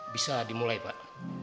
bisa dimulai pak